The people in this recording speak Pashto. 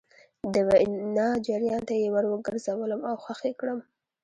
د وينا جريان ته يې ور ګرځولم او خوښ يې کړم.